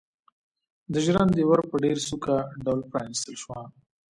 د ژرندې ور په ډېر سوکه ډول پرانيستل شو.